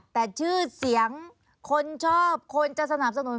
แต่ชื่อเสียงคนชอบคนจะสนับสนุน